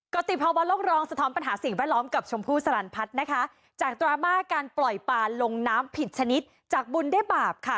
กรติภาวะโลกรองสะท้อนปัญหาสิ่งแวดล้อมกับชมพู่สลันพัฒน์นะคะจากดราม่าการปล่อยปลาลงน้ำผิดชนิดจากบุญได้บาปค่ะ